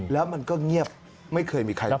แล้วมันก็เงียบไม่เคยมีใครรู้